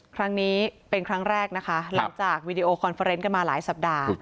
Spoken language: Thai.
ครั้งนี้เป็นครั้งแรกนะคะหลังจากวีดีโอคอนเฟอร์เนสกันมาหลายสัปดาห์